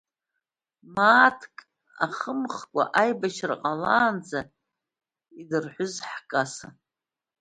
Мааҭк ахымхкәа, аибашьра ҟалаанӡа идырҳәыз ҳкасса…